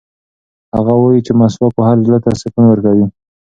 هغه وایي چې مسواک وهل زړه ته سکون ورکوي.